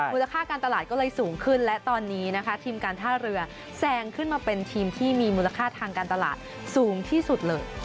มูลค่าการตลาดก็เลยสูงขึ้นและตอนนี้นะคะทีมการท่าเรือแซงขึ้นมาเป็นทีมที่มีมูลค่าทางการตลาดสูงที่สุดเลย